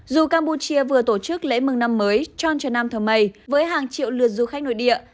dù campuchia vừa tổ chức lễ mừng năm mới tròn trần nam thờ mây với hàng triệu lượt du khách nội địa